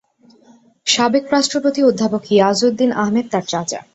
সাবেক রাষ্ট্রপতি অধ্যাপক ইয়াজউদ্দিন আহমেদ তার চাচা।